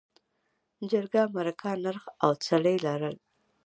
جرګه، مرکه، نرخ او څلي لرل.